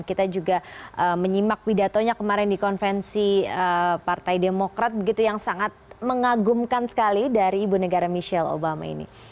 kita juga menyimak pidatonya kemarin di konvensi partai demokrat begitu yang sangat mengagumkan sekali dari ibu negara michelle obama ini